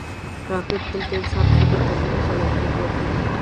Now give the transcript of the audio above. راکټ تل د انسان فکر ته نوی خلاقیت ورکوي